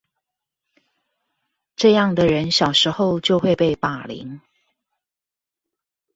這樣的人小時候就會被霸凌